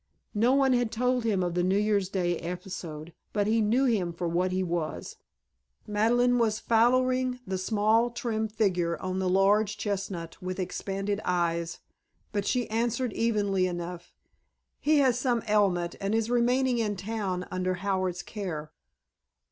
No one had told him of the New Year's Day episode, but he knew him for what he was. Madeleine was fallowing the small trim figure on the large chestnut with expanded eyes, but she answered evenly enough: "He has some ailment and is remaining in town under Howard's care."